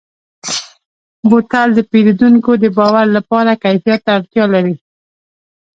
بوتل د پیرودونکو د باور لپاره کیفیت ته اړتیا لري.